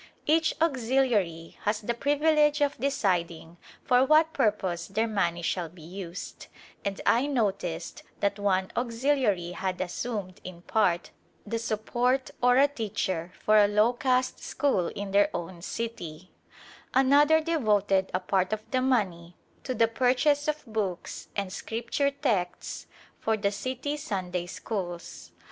Each auxiliary has the privilege of deciding for what purpose their money shall be used and I noticed that one auxiliary had assumed, in part, the support or a teacher for a low caste school in their own cityo Another devoted a part of the money to the purchase of books and Scripture texts for the city Sunday schools.